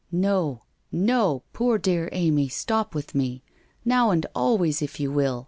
' No, no, poor dear Amy, stop with me ! Now, and always if you will!